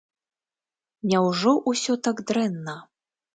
Няўжо ўсё так дрэнна?